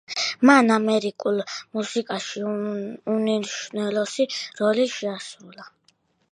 მან ამერიკულ მუსიკაში უმნიშვნელოვანესი როლი შეასრულა.